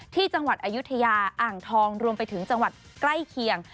ที่จังหวัดอายุทยาอ่างทองรวมไปถึงจังหวัดใกล้เคียง